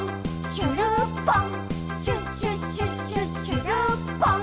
しゅるっぽん！」